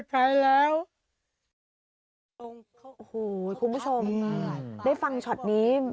คุณผู้ชมด้วยฟังสอบนี้